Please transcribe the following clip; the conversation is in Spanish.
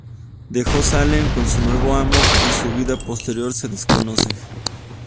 Dejó Salem con su nuevo amo y su vida posterior se desconoce.